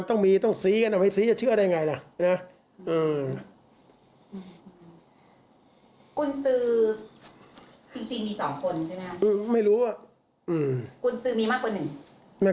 แต่ว่าเขาพบตำรวจแล้วหนึ่งคนที่แน่